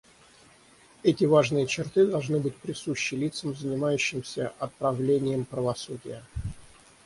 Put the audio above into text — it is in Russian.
Эти важные черты должны быть присущи лицам, занимающимся отправлением правосудия.